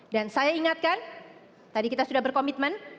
dan saya ingatkan tadi kita sudah berkomitmen